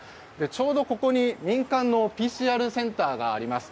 ちょうどここに、民間のＰＣＲセンターがあります。